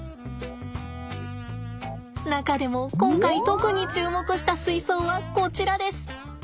中でも今回特に注目した水槽はこちらです。